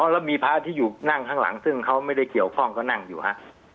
แล้วมีพระที่อยู่นั่งข้างหลังซึ่งเขาไม่ได้เกี่ยวข้องก็นั่งอยู่ฮะ